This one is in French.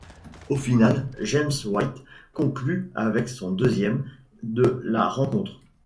Au final, James White conclut avec son deuxième ' de la rencontre.